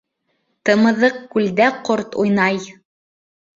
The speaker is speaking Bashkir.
Тымыҙыҡ күлдә ҡорт уйнай.